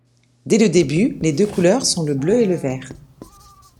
Dès le début, les deux couleurs sont le bleu et le vert.